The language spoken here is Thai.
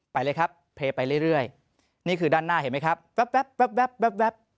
ไปเลยครับไปเรื่อยเรื่อยนี่คือด้านหน้าเห็นไหมครับ